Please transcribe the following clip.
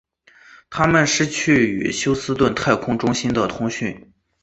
他们失去与休斯顿太空中心的通讯。